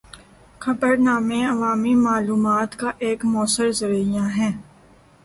خبرنامے عوامی معلومات کا ایک مؤثر ذریعہ ہیں۔